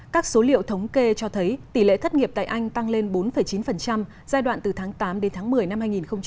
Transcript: các số liệu thống kê cho thấy tỷ lệ thất nghiệp tại anh tăng lên bốn chín giai đoạn từ tháng tám đến tháng một mươi năm hai nghìn một mươi chín